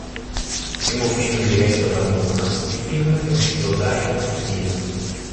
Primo film diretto da Moore, il film è uscito direct-to-video.